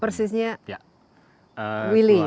persisnya willy ya